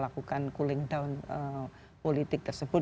lakukan cooling down politik tersebut